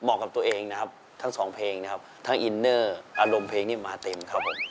กับตัวเองนะครับทั้งสองเพลงนะครับทั้งอินเนอร์อารมณ์เพลงนี้มาเต็มครับผม